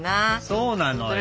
そうなのよ。